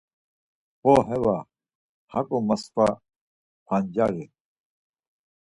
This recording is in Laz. Bo Heva, haǩu msǩva pancari!